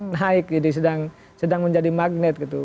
naik jadi sedang menjadi magnet gitu